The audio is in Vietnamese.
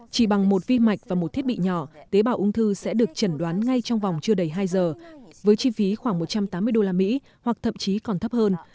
chỉ bằng một vi mạch và một thiết bị nhỏ tế bào ung thư sẽ được chẩn đoán ngay trong vòng chưa đầy hai giờ với chi phí khoảng một trăm tám mươi usd hoặc thậm chí còn thấp hơn